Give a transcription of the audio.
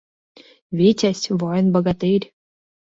Витязь — воин, богатырь.